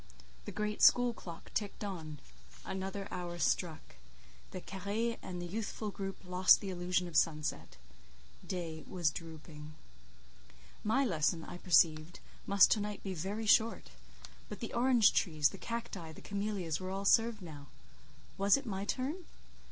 The great school clock ticked on. Another hour struck. The carré and the youthful group lost the illusion of sunset. Day was drooping. My lesson, I perceived, must to night be very short; but the orange trees, the cacti, the camelias were all served now. Was it my turn?